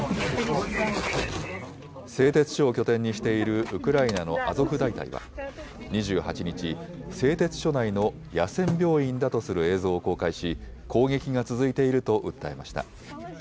製鉄所を拠点にしているウクライナのアゾフ大隊は２８日、製鉄所内の野戦病院だとする映像を公開し、攻撃が続いていると訴えました。